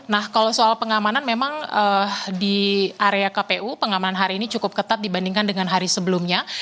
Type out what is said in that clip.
nah kalau soal pengamanan memang di area kpu pengaman hari ini cukup ketat dibandingkan dengan hari sebelumnya